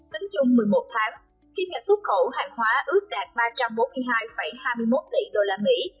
tính chung một mươi một tháng kim ngạch xuất khẩu hàng hóa ước đạt ba trăm bốn mươi hai hai mươi một tỷ đô la mỹ